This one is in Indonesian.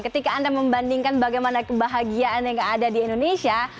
ketika anda membandingkan bagaimana kebahagiaan yang ada di indonesia